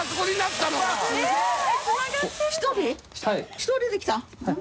１人で来たの？